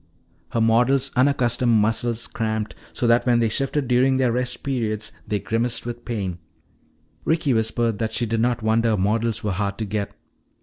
Her models' unaccustomed muscles cramped so that when they shifted during their rest periods they grimaced with pain. Ricky whispered that she did not wonder models were hard to get.